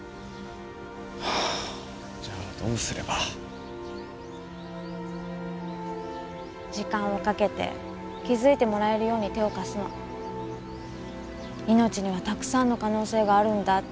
じゃあどうすれば時間をかけて気づいてもらえるよう手を貸すの命にはたくさんの可能性があるんだって